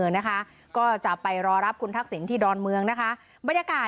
คุณสุลินบอกว่ามีความผูกพันกับคุณนักศิลป์ทำให้ดีใจมาก